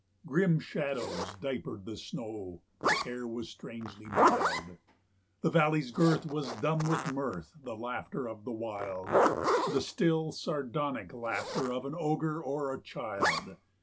Grim shadows diapered the snow; the air was strangely mild; The valley's girth was dumb with mirth, the laughter of the wild; The still, sardonic laughter of an ogre o'er a child.